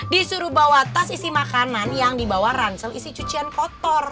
disuruh bawa tas isi makanan yang dibawa ransel isi cucian kotor